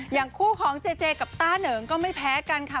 อย่างคู่ของเจเจกับต้าเหนิงก็ไม่แพ้กันค่ะ